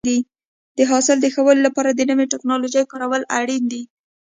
د حاصل د ښه والي لپاره د نوې ټکنالوژۍ کارول اړین دي.